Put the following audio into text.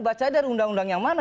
baca dari undang undang yang mana